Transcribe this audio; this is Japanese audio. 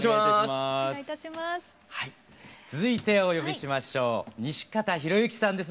続いてお呼びしましょう西方裕之さんです